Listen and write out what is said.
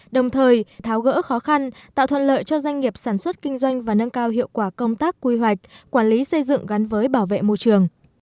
đồng thời tháo gỡ khó khăn tạo thuận lợi cho doanh nghiệp sản xuất kinh doanh và nâng cao hiệu quả công tác quy hoạch quản lý xây dựng gắn với bảo vệ môi trường